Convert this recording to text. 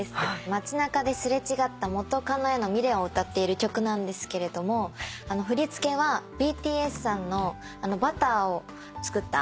街中で擦れ違った元カノへの未練を歌っている曲なんですけれども振り付けはＢＴＳさんの『Ｂｕｔｔｅｒ』をつくった。